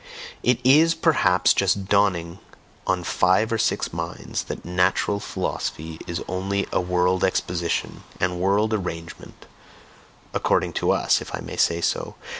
It is perhaps just dawning on five or six minds that natural philosophy is only a world exposition and world arrangement (according to us, if I may say so!)